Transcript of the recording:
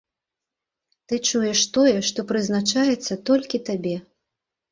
Ты чуеш тое, што прызначаецца толькі табе.